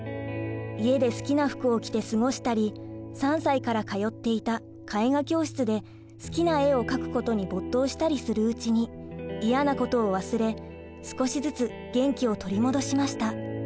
家で好きな服を着て過ごしたり３歳から通っていた絵画教室で好きな絵を描くことに没頭したりするうちに嫌なことを忘れ少しずつ元気を取り戻しました。